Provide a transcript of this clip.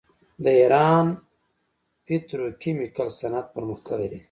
د ایران پتروکیمیکل صنعت پرمختللی دی.